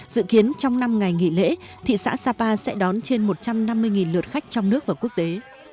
dự kiến trong năm ngày nghỉ lễ thị xã sapa sẽ đón trên một trăm năm mươi lượt khách trong nước và quốc tế